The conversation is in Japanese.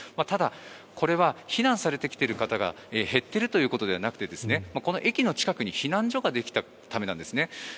ただ、これは避難されてきている方が減っているということではなくてこの駅の近くに避難所ができたためなんですね。